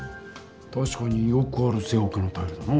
たしかによくある正方形のタイルだな。